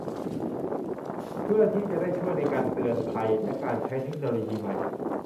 เพื่อที่จะได้ช่วยในการเตือนภัยและการใช้เทคโนโลยีใหม่